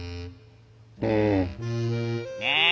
うん。ねえ。